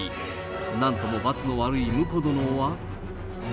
なんともばつの悪い婿殿は。